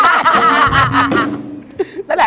พี่หนุ่มพูดไปแล้ว